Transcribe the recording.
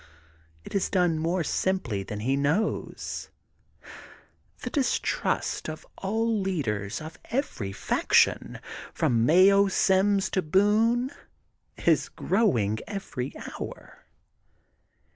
It is done more simply than he knows. The distrust of all leaders of every faction from Mayo Sims to Boone is growing every hour.